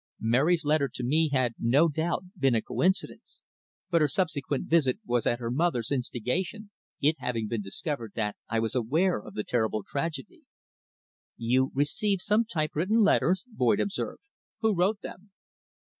Mary's letter to me had, no doubt, been a coincidence, but her subsequent visit was at her mother's instigation, it having been discovered that I was aware of the terrible tragedy. "You received some type written letters?" Boyd observed. "Who wrote them?"